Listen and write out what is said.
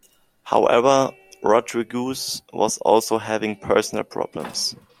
However, Rodriguez was also having personal problems.